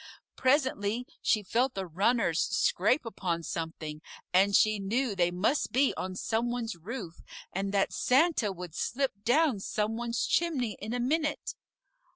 Presently she felt the runners scrape upon something, and she knew they must be on some one's roof, and that Santa would slip down some one's chimney in a minute.